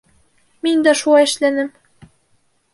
Мин дә шулай эшләнем.